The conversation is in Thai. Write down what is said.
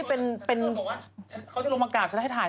เขาจะลงมากราบฉันจะให้ถ่าย